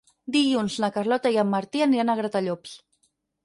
Dilluns na Carlota i en Martí aniran a Gratallops.